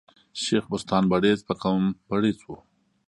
شېخ بستان برېڅ په قوم بړېڅ ؤ.